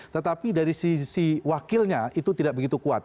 tetapi dari sisi wakilnya itu tidak begitu kuat